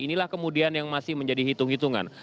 inilah kemudian yang masih menjadi hitung hitungan